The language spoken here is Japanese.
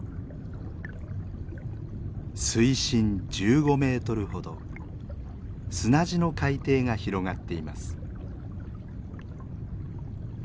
水深１５メートルほど砂地の海底が広がっています。